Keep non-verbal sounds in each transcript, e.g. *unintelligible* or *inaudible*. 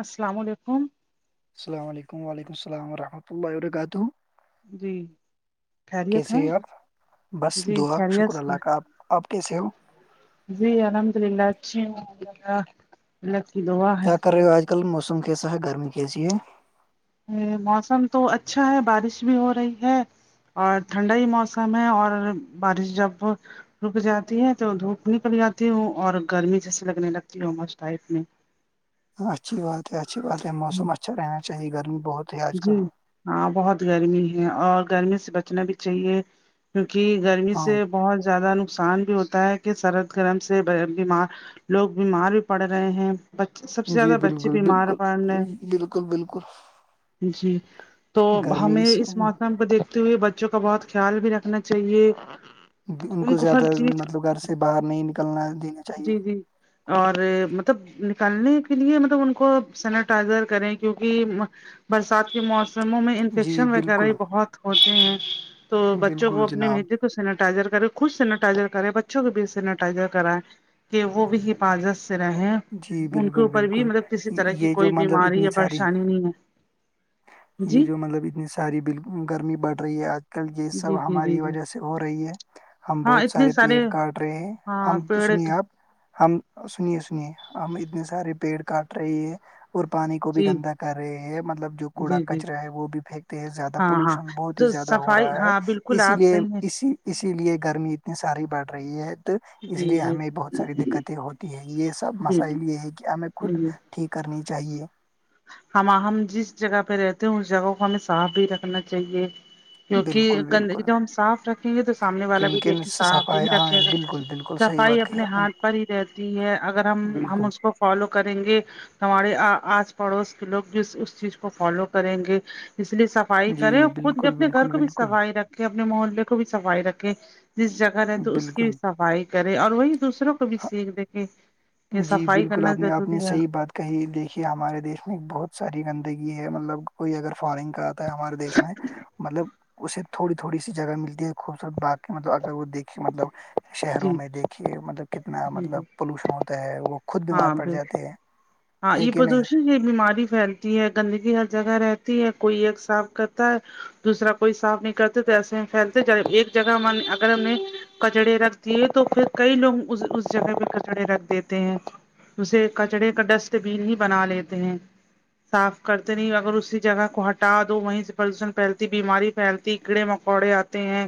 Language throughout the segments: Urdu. السلام علیکم السلام علیکم ولیکم السلام ورحمۃ اللہ وبرکاتہ جی خیریت کیسے ہیں اورپ بس جی دعا خیریت شکر سے اللہ کا آپ آپ کیسے ہو جی الحمد اللہ اچھی الحمدلہ لک دو آا کیا کر رہے ہو آج کل موسم کیسا ہے گرمی کیسی ہے موسم تو اچھا ہے بارش بھی ہو رہی ہے اور ٹھنڈا ہی موسم ہے اور بارش جب رک جاتی ہے تو دھوپ نکل جاتی ہوں اور گرمی جیسے لگنے لگتی ہو مس ٹائپ میں ہاں اچھی بات ہے اچھی بات ہے میں موسم اچھا رہنا چاہیے گرمی بہت ہے آج جی کل ہاں بہت گرمی ہے اور گرمی سے بچنا بھی چاہیے کیونکہ گرمی ہاں سے بہت زیادہ نقصان بھی ہوتا ہے کہ سرد گرم سے بیمار لوگ بیمار بھی پڑ رہے ہیں سب سے جی زیادہ بچے بالکل بیمار بالکل پڑ رہے بالکل بالکل جی تو گرمی ہمیں سے اس موسم پہ دیکھ تے ہوئے بچوں کا بہت خیال بھی رکھنا چاہیے ان کو زیادہ مطلب گھر سے باہر نہیں نکلنا دینا چاہیے جی جی اور مطلب نکلنےکے لیے مطلب ان کو سینٹائزر کریں کیونکہ برسات کے موسموں میں جی انفیکشن وغیرہ بالکل ہی بہت ہوتے ہیں تو بچوں کو بالکل اپنی جناب بھیجیے تو سینیٹائزر کرے خود سینیٹائزر کرے بچوں کے بیچ سینیٹائزر کرائیں کہ وہ بھی حفاظت سے رہےیں جی ان کے بالکل اوپر بھی بالکل مطلب کسی طرح کی یہ جو کوئی مطلب بیماری اتنی یا ساری پریشانی نہیں ہے یہ جی جو مطلب اتنی سی سوری بلکل گرمی بڑھ رہی ہے آج کل یہ سب جی جی جی ہماری جی وجہ سے ہو رہی ہے ہم ہاں بہت اتنے سارے پیڑ کاٹ رہے ہیں ہاں ہم پیڑ سنیے آپ ہم سنیے سنیے ہم اتنے سارے پیڑ کاٹ رہے ہے اور پانی کو بھی جی گندا کر رہے ہیں مطلب جو کوڑا جی جی جی کچرا ہے وہ بھی پھینکتے ہیں زیادہ ہاں ہاں پولوشن بہت ہی تو زیادہ ہو صفائی رہا ہے ہاں بالکل اسی آپ لیے صحیح ہیں اسی اسی لیے گرمی اتنی ساری بڑھ رہی ہے تو جی اس جی لیے جی ہمیں بہت ساری دق کتیں ہوتی ہے یہ سب جی مسائل یہ ہے کہ ہمیں خود جی ٹھیک کرنی چاہیے ہم ہم جس جگہ پہ رہتے ہیں اس جگہ کو ہمیں صاف بھی رکھنا چاہیے کیوںکہ بالکل گندگی بالکل جب ہم صاف رکھیں گے تو سامنے والا بھی دیکھ کیونکہ کے صاف ہی صفائی ہاں رکھے گا بالکل بالکل صحیح صفائی بات کہی اپنے آپ نے ہاتھ پر ہی رہتی ہے اگر ہم ہم بالکل اس کو فالو کریں گے ہمارے آج پڑوس کے لوگ بھی اس چیز کو فالو کریں گے اس لیے سب صفائی جی کرے اور خود بھی بالکل اپنے گھر بالکل کو بھی بالکل صفائی رکھے اپنے محلے کو بھی صفائی رکھے جس جگہ رہے تو اس کی بالکل بھی صفائی کرے اور وہی دوسروں کو بھی ہاں، سیکھ د کہیں کہ جی صفائی بالکل کرنا آپ نے آپ نے ضروری ہے صحیح بات کہی دیکھیے ہمارے دیش میں بہت ساری گندگی ہے مطلب کوئی اگر فارن کا ہمارے دیش میں مطلب اسے تھوڑی تھوڑی سی جگہ ملتی ہے خوبصورت باقی مطلب اگر وہ دیکھے مطلب شہروں جی میں دیکھیے مطلب کتنا جی مطلب جی پولوشن ہوتا ہے وہ خود بیمار ہاں پڑ بالکل جاتے ہیں ہاں ہے یہ کہ نہیں پردوشن یہ بیماری پھیل کی گندگی ہر جگہ رہتی ہے کوئی ایک صاف کرتا ہے دوسرا کوئی صاف نہیں کرتے تو ایسے پھیلتے ایک جگہ ہم اگر ہم نے کچڑے رکھ دیے تو پھر کئی لوگ اس جگہ پہ کچڑے رکھ دیتے ہیں اسے کچرے کا ڈسٹ بین ہی بنا لیتے ہیں صاف کرتے نہیں اگر اسی جگہ کو ہٹا دو وہیں سے پردوشن پھیلتی بیماری پھیلتی کیڑے مکوڑے آتے ہیں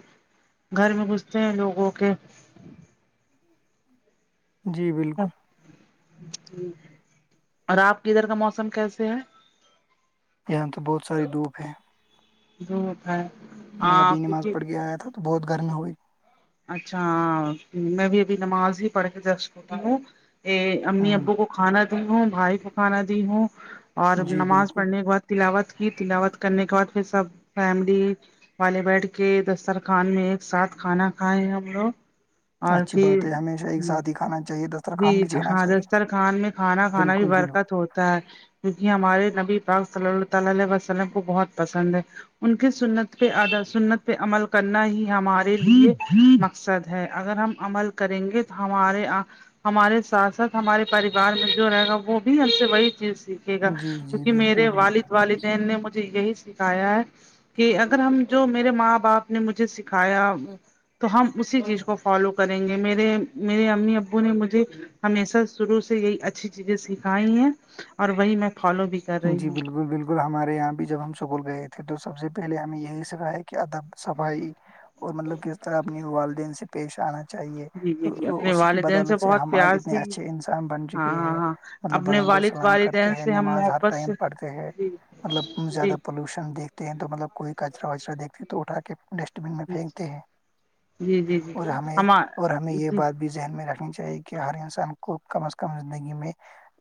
گھر میں گھستے ہیں لوگوں کے جی بالکل اور آپ کے ادھر کا موسم کیسے ہے یہاں تو بہت ساری دھوپ ہے دھوپ ہے میں ہاں ابھی نماز کیونکہ پڑھ کے آیا تھا تو بہت گرمی ہوئی اچھا میں بھی ابھی نماز ہی پڑھ کے جسٹ اٹھی ہوں ا امی ہوں ابو کو کھانا دی ہوں بھائی کو کھانا دی ہوں اور جی نماز بالکل پڑھنے کے بعد تلاوت کی تلاوت کرنے کے بعد پھر سب فیملی والے بیٹھ کے دسترخان میں ایک ساتھ کھانا کھائے ہم لوگ اور اچھی بات پھر ہے ہمیشہ ایک ہ ساتھ ہی کھانا چاہے دس جی جی ہاں دسترخوان میں کھانا کھانا بھی بالکل بالکل برکت ہوتی تا ہے کیونکہ ہمارے نبی پاک صلی اللہ تعالی علیہ وسلم کو بہت پسند ہے ان کے سنت پہ سنت پہ عمل کرنا ہی ہمارے لیے مقصد ہے اگر ہم عمل کریں گے تو ہمارے ہمارے ساتھ ساتھ ہمارے پریوار میں جو رہے گا وہ بھی ہم سے وہی چیز سیکھ گا جی جی کیونکہ بالکل میرے والد بالکل والدین نے مجھے یہی سکھایا ہے کہ اگر ہم جو میرے ماں باپ نے مجھے سکھایا تو ہم اسی چیز کو فالو کریں گے میرے میرے امی ابو نے مجھے ہمیشہ شروع سے یہی اچھی چیزیں سکھائی ہیں اور وہی میں فالو بھی کر رہی جی ہوں بالکل بالکل ہمارے یہاں بھی جب ہم سکول گئے تھے تو سب سے پہلے ہمیں یہی سکھا ہے کہ ادب صفائی اور مطلب کہ اس طرح اپنے والدین سے پیش آنا چاہیے جی جی جی تو اپنے اس کی والدین بدولت سے بہت ہم آج پیار سے اتنے اچھے انسان بن ہاں چکے ہاں ہیں ہاں مطلب اپنے بڑوں کو والد سلام کرتے والدین ہے سے ہم نماز ہر محبت ٹائم سے پڑھتے ہے جی مطلب زیادہ جی پلیوشن دیکھتے ہیں تو مطلب کوئی کچرا وچرا دیکھتے ہیں تو اٹھا کے ڈسٹ بن میں پھینکتے ہیں جی جی جی اور ہمیں ہم اور ہمیں یہ جی بات ذہن میں رکھنی چاہیے کہ ہر انسان کو کم از کم زندگی میں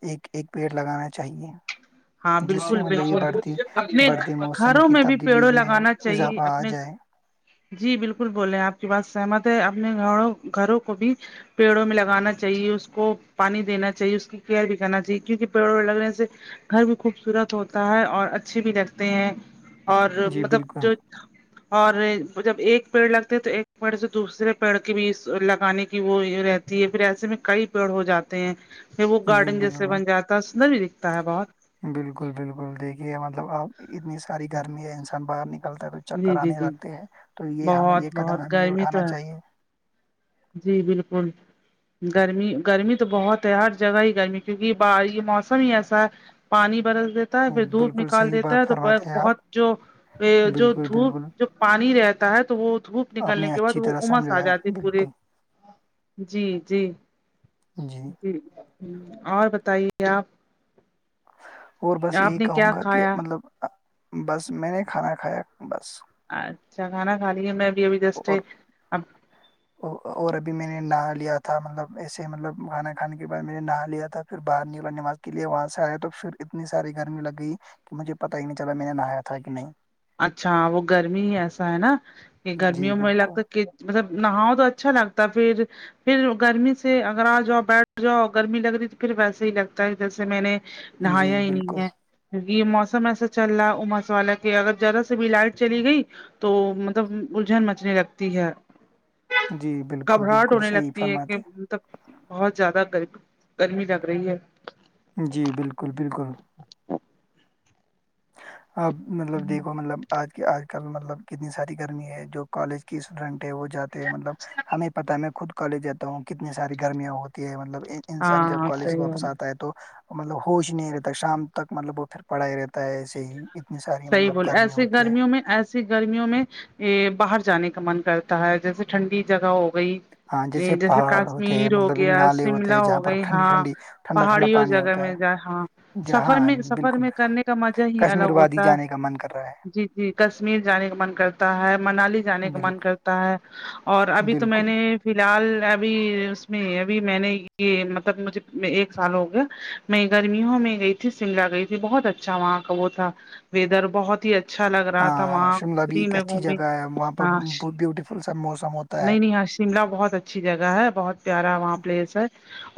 ایک ایک پیڑ لگانا چاہیے ہاں جس بالکل سے مطلب یہ بالکل بڑھتی اپنے بڑھتے موسم گھروں کی میں بھی تبدیلی پیڑوں میں لگانا چاہیے اضافہ آ اپنے جائے جی بالکل بولے ہیں آپ کی بات سہمت ہے اپنے گوں گھروں کو بھی پیڑوں میں لگانا چاہیے اس کو پانی دینا چاہیے اس کی کیئر بھی کرنا چاہیے کیونکہ پیڑوں میں لگنے سے گھر بھی خوبصورت ہوتا ہے اور اچھے بھی لگتے ہیں اور جی مطلب جو *inaudible* اور جب ایک پیڑ لگتے تو ایک پیڑ سے دوسرے پیڑ کے بھی اس لگانے کی وہ رہتی پھر ایسے میں کئی پیڑ ہو جاتے ہیں پھر وہ جی گارڈن جیسے بالکل بن جاتا ہے سندر بھی دکھتا ہے بہت بالکل بالکل دیکھیے مطلب اب اتنی ساری گرمی ہے انسان باہر نکلتا ہے کچھ چک جی جی کرانے جی لگتے ہیں تو یہ ہمیں یہ بہت قدم بہت ہمیں گرمی تو اٹھانا ہے چاہیے جی بالکل گرمی گرمی تو بہت ہے ہر جگہ ہی گرمی کیونکہ ب یہ موسم ہی ایسا ہے پانی برس پھر دھوپ بالکل نکال صحیح دیتا ہے بات تو فرماتے ہیں بہت آپ جو جو بالکل دھوپ بالکل جو پانی رہتا ہے تو وہ دھوپ آپ نکلنے نے کے بعد اچھی وہ طرح امس آ سمجھایا جاتی پورے بالکل جی جی جی اور بتائیے آپ اور بس یہی آپ نے کہوں کیا گا کہ کھایا مطلب بس میں نے کھانا کھایا بس اچھا کھانا کھاے میں ابھی ابھی دسٹ اور اور ابھی میں نے نہا لیا تھا مطلب ایسے مطلب کھانا کھانے کے بعد میں نے نہا لیا تھا پھر باہر نکلا نماز کے لیے وہاں سے آئے تو پھر اتنی ساری گرمی لگ گئی کہ مجھے پتا ہی نہیں چلا میں نے نہایا تھا کہ نہیں اچھا وہ گرمی ہی ایسا ہے نا کہ جی گرمیوں مھے لگتا ہے بالکل کہ مطلب نہاؤ تو اچھا لگتا ہے پھر پھر گرمی سے اگر آ جاؤ بیٹھ جاؤ گرمی لگ رہی تو پھر ویسے ہی لگتا ہے جیسے میں نے نہایا جی ہی نہیں بالکل ہے کیونکہ یہ موسم ایسا چل رہا ہے اماس والا کہ اگر جذرا سے بھی لائٹ چلی گئی تو مطلب الجھن مچنے لگتی ہے جی بالکل گھبراہٹ بالکل ہونے صحیح لگتی ہے کہ فرماتے تب بہت زیادہ گ گرمی لگ رہی ہے جی بالکل بالکل آپ مطلب دیکھو مطلب آج کے آج کل مطلب کتنی ساری گرمی ہے جو کالج کی اسٹوڈینٹ ہے وہ جاتے ہیں مطلب ہمیں پتہ ہے خود کالج جاتا ہوں کتنی ساری گرمیاں ہوتی ہے مطلب ہاں انسان جب ہاں کالج سے صحیح بات واپس آتا ہے تو مطلب ہوش ہی نہیں رہتا شام تک مطلب وہ پھر پڑھائی رہتا ہے ایسے ہی اتنی ساری صحیح مطلب بولے گرمی ایسے ہوتی ہے گرمیوں میں ایس گرمیوں میں باہر جانے کا من کرتا ہے جیسے ٹھنڈی جگہ ہو گئی ہاں جیسے پہاڑ ہوتے ہیں کاشمیر ہو مطلب گیا نالے ہوتے شملہ ہیں جہاں ہو پر گئی ٹھنڈی ہاں ٹھنڈی ٹھنڈا ٹھنڈا پہاڑیوں پانی جگہ ہوتا میں ہے جائے ہاں جہاں سفر میں سفر بالکل میں بالکل کرنے کا مزہ ہی کشمیر الگ وادی ہوتا ہے جانے کا من کر رہا جی جی کشمیر جانے کا من کرتا ہے منالی جانے ہے کا من بالکل کرتا ہے اور ابھی تو میں بالکل نے فی الحال ابھی اس میں ابھی میں نے یہ مطلب مجھے ایک سال ہو گیا میں گرمیوں میں گئی تھی شملہ گئی تھی بہت اچھا وہاں کا وہ تھا ویدر بہت ہی اچھا لگ رہا تھا ہاں وہاں شملہ بھی فری ایک میں اچھی گھمی جگہ ہے وہاں پر ہاں بہت بیوٹیفل سا موسم ہوتا ہے نہیں نہیں شملہ بہت اچھی جگہ ہے بہت پیارا وہاں پلیس ہے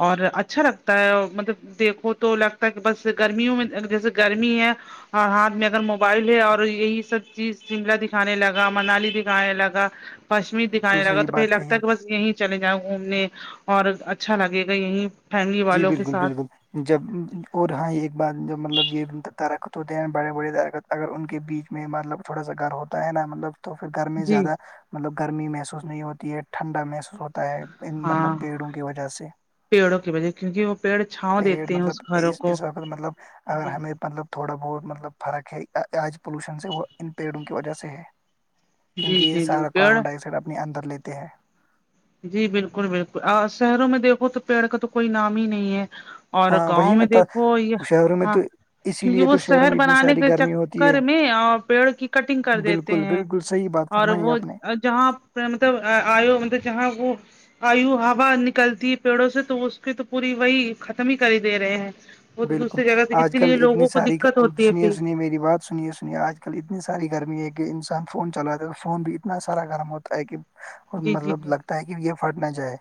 اور اچھا لگتا ہے مطلب دیکھو تو لگتا ہے کہ بس گرمیوں میں جیسے گرمی ہے اور ہاتھ میں اگر موبائل ہے اور یہی سب چیز شملہ دکھانے لگا منالی دکھانے لگا کشمیر بالکل دکھانے لگا صحیح تو پہ بات کہی لگتا ہے آپ کہ نے۔ بس یہیں چلے جاؤں گھومنے اور اچھا لگے گا یہیں فیملی جی والوں کے بالکل ساتھ بالکل جب اور ہاں ایک بار جب مطلب یہ درخت ہوتے ہیں بڑے بڑے درخت اگر ان کے بیچ میں مطلب تھوڑا سا گھر ہوتا ہے نا مطلب تو پھر گھر میں جی زیادہ مطلب گرمی محسوس نہیں ہوتی ہے ٹھنڈا محسوس ہوتا ہے ان ہاں مطلب پیڑوں کی وجہ سے پیڑوں کی بجے کیونک وہ پڑ پیڑ مطلب اس اس وقت مطلب اگر ہمیں مطلب تھوڑا بہت مطلب فرق ہے آج پولوشن سےا ان پیڑوں کی وجہ سے ہے کیونکہ جی یہ جی جی سارا پیڑ کاربن ڈائی آکسائڈ اپنے اندر لیتے ہیں جی بالکل بالکل شہروں میں دیکھو تو پیڑ کا تو کوئی نام ہی نہیں ہے اور ہاں گاؤں وہی میں نا دیکھو یہ شہروں میں ہاں تو اسی کیونکہ لیے وہ تو شہروں شہر میں اتنی بنانے ساری کے گرمی ہوتی ہے چکر میں پیڑ کی کٹنگ کر دیتے بالکل ہیں بالکل صحیح بات اور فرمائی وہ آپ نے جہاں پ مطلب آو مطلب جہاں وہ آیو ہوا نکلتی ہے پیڑوں سے تو اس کی تو پوری وہی ختم ہی کر ہی دے رہے ہیں وہ تو بالکل دوسری جگہ سے آج اسی کل لیے اتنی لوگوں کو ساری دقت ہوتی ہے سنیے پھر سنیے میری بات سنیے سنیے آج کل اتنی ساری گرمی ہے کہ انسان فون چلاتا ہے تو فون بھی اتنا سارا گرم ہوتا ہے کہ اور جی مطلب لگتا ہے کہ یہ پھٹ نہ جائے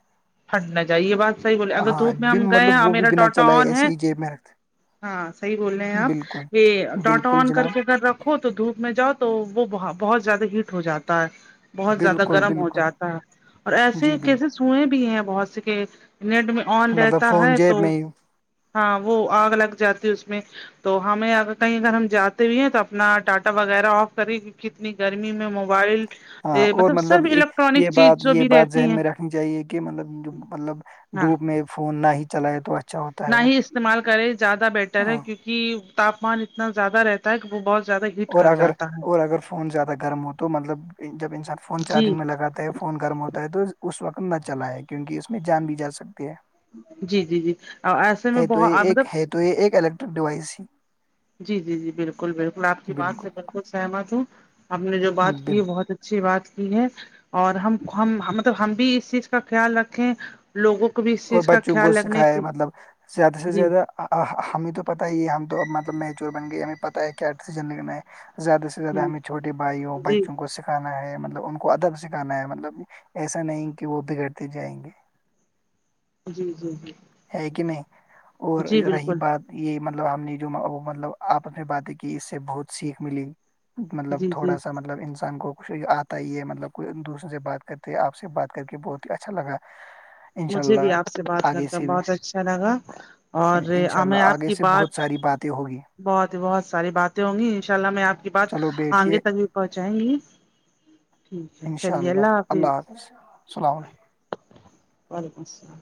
ٹنڈ نہ جاہے یہ بات صحی بولے اگر ہاں دھوپ میں ہم بن گئے ہیں مطلب وہ بھی میرا بنا اٹا چلائے آن ہے ایسے ہی جیب میں رکھتے ہاں صحیح بول رہے ہیں بالکل آپ یہ ڈاٹا بالکل آن کر جناب کے اھر کھو تو دھوپ میں جاؤ تو وہ بہت زیادہ ہیٹ ہو جاتا ہے بہت زیادہ بالکل گرم ہو بالکل جاتا ہے اور ایسے جی کیسے بالکل سوئے بھی بہت سے کہ نیٹ میں آن مطلب رہتا فون ہے تو جیب میں ہی ہاں وہ آگ لگ جاتی اس میں تو ہمیں ا کہیں اگر ہم جاتے بھی ہیں تو اپنا ٹاٹا وغیرہ آف کریں کتنی گرمی میں موبائل ہاں اور مطلب سب الیکٹرانک یہ چیز بات جو یہ بھی بات رہتی ذہن ہیں میں رکھ چاہیے کہ مطلب مطلب ہاں دھوپ میں فون نہ ہی چلائے تو اچھا ہوتا نہ ہے ہی استعمال کرے زیادہ بیٹر ہے ہاں کیونکہ تاپمان اتنا زیادہ رہتا ہے کہ وہ بہت زیادہ ہیٹ اور کر اگر جاتا ہے اور اگر فون زیادہ گرم ہو تو مطلب جب انسان فون جی چارجنگ میں لگات فون گرم ہوتا ہے تو اس وقت نہ چلا ہے کیونکہ اس میں جان بھی جا سکتی ہے جی جی جی ایسے میں ہے تو بہت یہ ایک مطلب ہے تو یہ ایک الیکٹرک ڈیوائس ہے جی جی جی بالکل بالکل آپ کی بات سے بالکل سہمت ہوں آپ نے جو بات بالکل کی بہت اچ ا سی بات کی ہے اور ہم مطلب ہم بھی اس چیز کا خیال رکھیں لوگوں کو بھی اس اور چیز کا بچوں کو خیال رکھنے سکھائے کے مطلب زیادہ سے جی زیادہ ہمیں تو پتا ہی ہے ہم تو اب مطلب میچور بن گئی ہمیں پتہ ہے کیا سزن لنا ہے زیادہ سے ہ زیادہ ہمیں چوٹے بائیوں جی بچوں کو سیکھ سکھانا ہے مطلب ان کو ادب سکھانا ہے مطلب ایسا نہیں کہ وہ بگڑتے جائیں گے جی جی جی ہے کہ نہیں اور جی رہی بالکل بات یہ مطلب ہم نے جو مطلب آپنے باتیں کی اس سے بہت سیکھ ملی مطلب جی جی تھوڑا سا مب مطلب انسان کو کچھ آتا ہی ہے مطلب کوئی دوسرے سے بات کرتے آپ سے بات کر کے بہت ہی اچھا لگا *unintelligible* مجھے بھی آپ سے بات آگے کرتا سے بھی بہت اچھا لگا انشاء اوریں اللہ آپ آگے کی سے بات بہت ساری باتیں ہوگی بہت ہی بہت ساری باتیں ہوں گی ان شاء اللہ میں آپ کی بات چلو آئ گے بیٹھیے ت پہنچائیں گی ٹھیک ہے چلیے اللہ حافظ السلام علیکم وعلیکم السلام